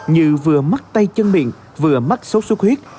như vừa mắc tay chân miệng vừa mắc sốt xuất huyết